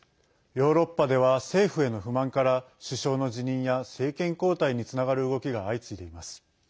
ヨーロッパでは政府への不満から首相の辞任や政権交代につながる動きが相次いでいます。